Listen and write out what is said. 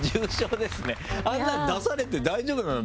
あんなの出されて大丈夫なの？